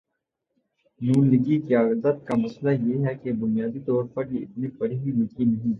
نون لیگی قیادت کا مسئلہ یہ ہے کہ بنیادی طور پہ اتنے پڑھی لکھی نہیں۔